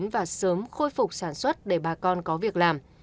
và sớm khôi phục sản xuất để bà con có việc làm